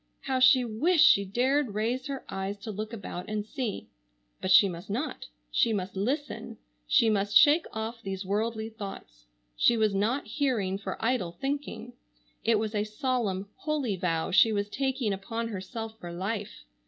How she wished she dared raise her eyes to look about and see. But she must not. She must listen. She must shake off these worldly thoughts. She was not hearing for idle thinking. It was a solemn, holy vow she was taking upon herself for life.